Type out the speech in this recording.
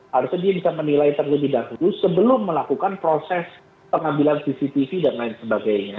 harusnya dia bisa menilai terlebih dahulu sebelum melakukan proses pengambilan cctv dan lain sebagainya